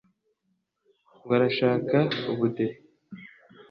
ngo arashaka ubudehe